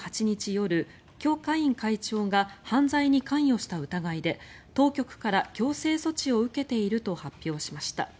夜キョ・カイン会長が犯罪に関与した疑いで当局から強制措置を受けていると発表しました。